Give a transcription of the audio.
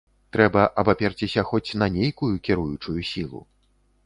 Трэба абаперціся хоць на нейкую кіруючую сілу.